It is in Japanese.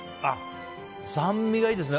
酸味がいいですね。